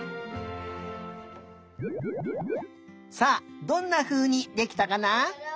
さあどんなふうにできたかな？